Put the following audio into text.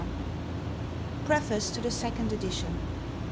PREFACE TO THE SECOND EDITION.